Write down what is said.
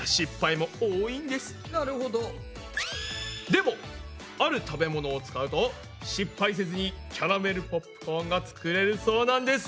でもある食べ物を使うと失敗せずにキャラメルポップコーンが作れるそうなんです。